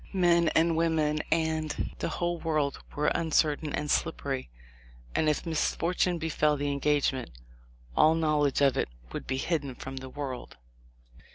Men and women and the whole world were uncertain and slippery, and if misfortune befell the engagement all knowledge of it would be hidden from the world."